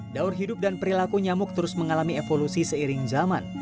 daur hidup dan perilaku nyamuk terus mengalami evolusi seiring zaman